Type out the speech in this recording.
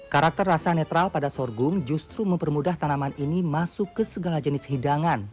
karakter rasa netral pada sorghum justru mempermudah tanaman ini masuk ke segala jenis hidangan